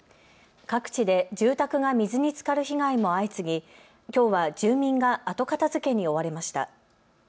各地で住宅が水につかる被害も相次ぎ、きょうは住民が後片づけに追われました。